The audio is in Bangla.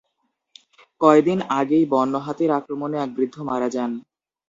কয়দিন আগেই বন্য হাতির আক্রমণে এক বৃদ্ধ মারা যান?